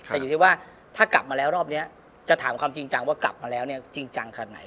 แต่อยู่ที่ว่าถ้ากลับมาแล้วรอบนี้จะถามความจริงจังว่ากลับมาแล้วเนี่ยจริงจังขนาดไหน